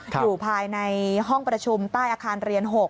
อยู่ภายในห้องประชุมใต้อาคารเรียน๖